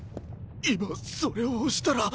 今それを押したら。